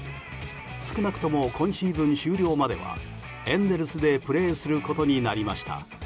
少なくとも今シーズン終了まではエンゼルスでプレーすることになりました。